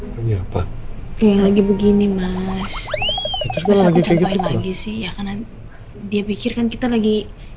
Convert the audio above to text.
lagi apa lagi begini mas lagi sih ya karena dia pikirkan kita lagi